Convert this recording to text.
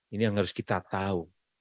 ini yang harus kita tahu